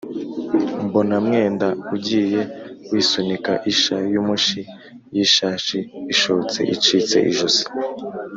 mbona mwenda ugiye wisunika isha y’umushi y’ishashi ishotse icitse ijosi.